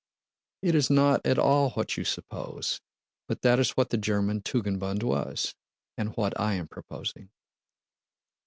"It is not at all what you suppose; but that is what the German Tugendbund was, and what I am proposing."